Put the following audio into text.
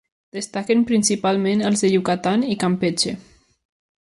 Destaquen principalment els de Yucatán i Campeche.